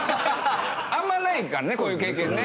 あんまないからねこういう経験ね。